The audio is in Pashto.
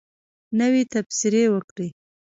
نوی تبصرې وکړئ